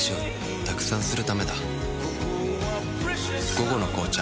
「午後の紅茶」